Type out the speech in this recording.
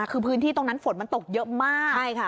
คือพื้นที่ตรงนั้นฝนมันตกเยอะมากใช่ค่ะ